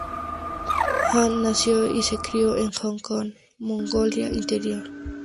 Han nació y se crio en Hohhot, Mongolia Interior.